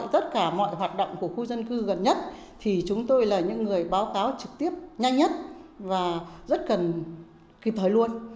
tất cả mọi hoạt động của khu dân cư gần nhất thì chúng tôi là những người báo cáo trực tiếp nhanh nhất và rất cần kịp thời luôn